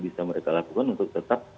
bisa mereka lakukan untuk tetap